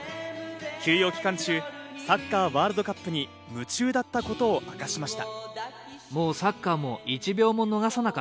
休養期間中、サッカーワールドカップに夢中だったことを明かしました。